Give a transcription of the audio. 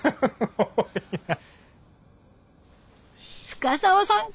深沢さん